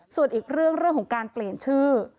ส่วนอีกเรื่องของการเปลี่ยนชื่อ